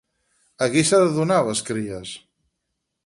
A qui s'ha de donar les cries?